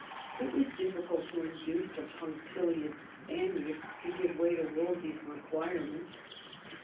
It was difficult to induce the punctilious Spaniards to give way to Wolsey's requirements.